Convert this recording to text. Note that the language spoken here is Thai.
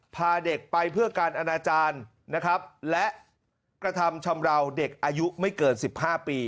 พาเด็กไปเพื่อการอนาจารย์นะครับและกระทำชำราวเด็กอายุไม่เกิน๑๕ปี